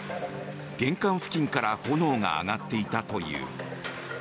玄関付近から炎が上がっていたという。